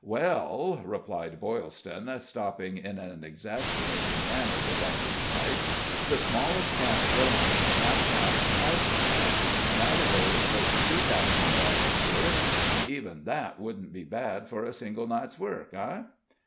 "Well," replied Boylston, stopping in an exasperating manner to light his pipe, "the smallest can a goin' is a half pound powder can, and that'll hold over two thousand dollars worth even that wouldn't be bad for a single night's work eh?"